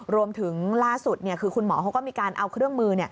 รวมถึงล่าสุดคือคุณหมอเขาก็มีการเอาเครื่องมือ